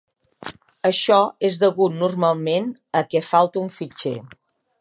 Això és degut normalment a què falta un fitxer.